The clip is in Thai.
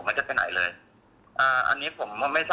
อ่าอันนี้ผมไม่ทราบว่าตอนก่อนที่แกติดป่วยอ่ะ